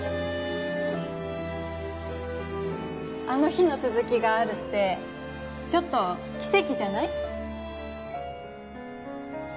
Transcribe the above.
あの日の続きがあるってちょっと奇跡じゃない？